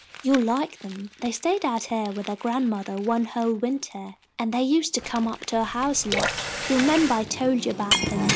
You'll like them. They stayed out heah with their grandmothah one whole wintah, and they used to come up to ou' house lots. You remembah I told you 'bout them.